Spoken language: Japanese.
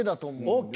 ＯＫ。